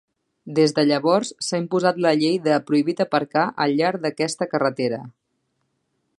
Des de llavors, s'ha imposat la llei de 'prohibit aparcar' al llarg d'aquesta carretera.